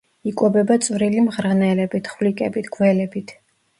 იკვებება წვრილი მღრღნელებით, ხვლიკებით, გველებით.